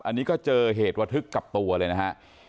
อันนี้ก็เจอเหตุระทึกกับตัวเลยนะฮะ